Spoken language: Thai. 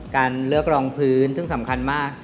การเลือกรองพื้นซึ่งสำคัญมาก